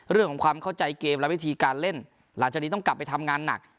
เรื่องของความเข้าใจเกมและวิธีการเล่นหลังจากนี้ต้องกลับไปทำงานหนัก